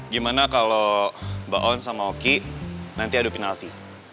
gimana kalau mbak on sama oki nanti adu penalti